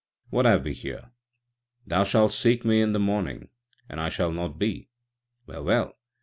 what have we here? 'Thou shalt seek me in the morning, and I shall not be.' Well, well!